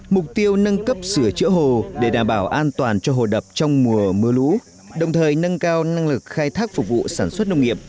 mục tiêu nâng cấp sửa chữa hồ để đảm bảo an toàn cho hồ đập trong mùa mưa lũ đồng thời nâng cao năng lực khai thác phục vụ sản xuất nông nghiệp